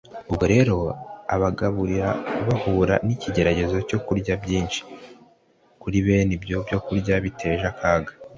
ubwo rero, abagabura bahura n'ikigeragezo cyo kurya byinshi, kuri bene ibyo byokurya biteje akaga